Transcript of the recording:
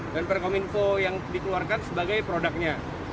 dan per kominfo yang dikeluarkan sebagai produknya